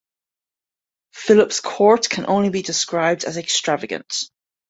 Philip's court can only be described as extravagant.